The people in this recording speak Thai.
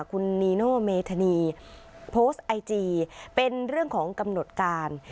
คุณนีโนเมธานีโพสต์ไอจีเป็นเรื่องของกำหนดการ